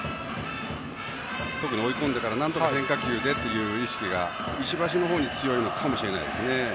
特に追い込んでからなんとか変化球でという意識が石橋の方に強いのかもしれません。